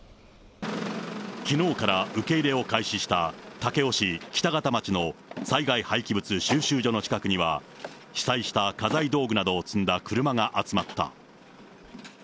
きのうから受け入れを開始した武雄市北方町の災害廃棄物収集所の近くには、被災した家財道具などを積んだ車が集まった。